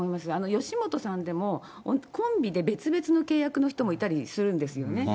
吉本さんでもコンビで別々の契約の人もいたりするんですよね。